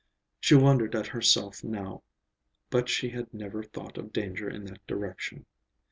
She wondered at herself now, but she had never thought of danger in that direction.